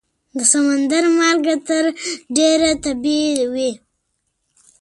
د سمندر مالګه تر ډېره طبیعي وي.